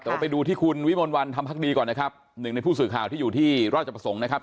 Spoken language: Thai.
แต่ว่าไปดูที่คุณวิมลวันธรรมพักดีก่อนนะครับหนึ่งในผู้สื่อข่าวที่อยู่ที่ราชประสงค์นะครับ